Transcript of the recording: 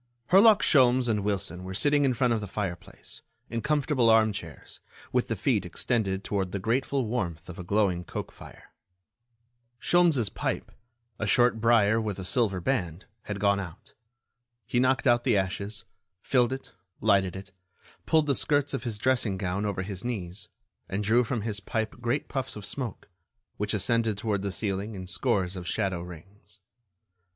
Herlock Sholmes and Wilson were sitting in front of the fireplace, in comfortable armchairs, with the feet extended toward the grateful warmth of a glowing coke fire. Sholmes' pipe, a short brier with a silver band, had gone out. He knocked out the ashes, filled it, lighted it, pulled the skirts of his dressing gown over his knees, and drew from his pipe great puffs of smoke, which ascended toward the ceiling in scores of shadow rings.